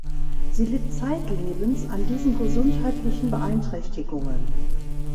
Sie litt zeitlebens an diesen gesundheitlichen Beeinträchtigungen.